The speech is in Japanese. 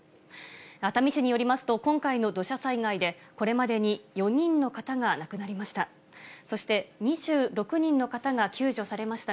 熱海市によりますと、今回の土砂災害で、これまでに４人の方が亡くなりました。